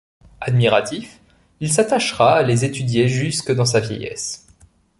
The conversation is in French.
Admiratif, il s’attachera à les étudier jusque dans sa vieillesse.